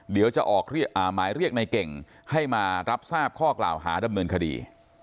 เดี๋ยวจะออกหมายเรียกในเก่งให้มารับทราบข้อกล่าวหาดำเนินคดี